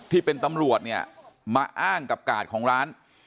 ที่เป็นตำรวจเนี่ยมาอ้างกับกาดของร้าน